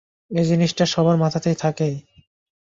এ জিনিসটা সবার মাথাতেই থাকেই।